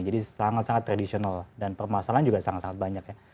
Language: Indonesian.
jadi sangat sangat tradisional dan permasalahan juga sangat sangat banyak